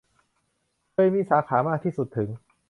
เคยมีสาขามากที่สุดถึง